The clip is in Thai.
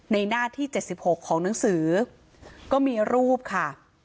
ในหน้าที่เจ็ดสิบหกของหนังสือก็มีรูปค่ะ